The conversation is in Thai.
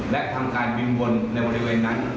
และทำการบินวนในบริเวณนั้น